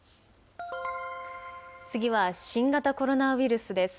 次は、新型コロナウイルスです。